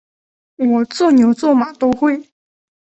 我做牛做马都会